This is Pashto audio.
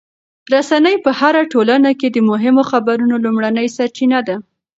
رسنۍ په هره ټولنه کې د مهمو خبرونو لومړنۍ سرچینه ده.